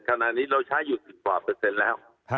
ขณะนี้เราใช้อยู่๑๐กว่าเปอร์เซ็นต์แล้ว